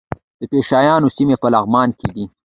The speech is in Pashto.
د پشه یانو سیمې په لغمان کې دي